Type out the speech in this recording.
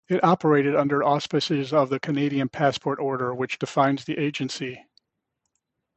It operated under the auspices of the "Canadian Passport Order" which defines the agency.